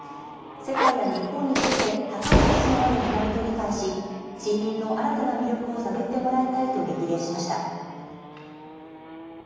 世界や日本にとって高い価値のある学びと理解し森林の新たな魅力を探ってもらいたいと激励しました。